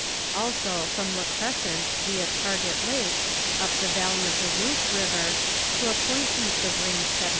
Also from La Crescent via Target lake up the valley of the Root river, to a point east of range 17.